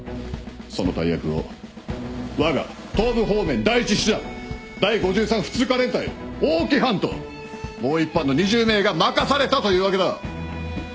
その大役をわが東部方面第１師団第五十三普通科連隊大木班ともう一班の２０名が任されたというわけだ！